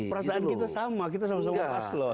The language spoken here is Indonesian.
perasaan kita sama kita sama sama pas loh